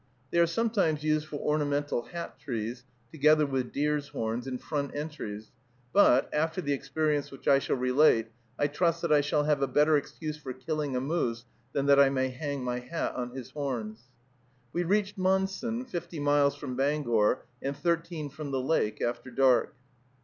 They are sometimes used for ornamental hat trees, together with deer's horns, in front entries; but, after the experience which I shall relate, I trust that I shall have a better excuse for killing a moose than that I may hang my hat on his horns. We reached Monson, fifty miles from Bangor, and thirteen from the lake, after dark.